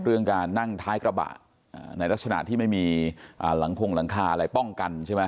เรื่องการนั่งท้ายกระบะในลักษณะที่ไม่มีหลังคงหลังคาอะไรป้องกันใช่ไหม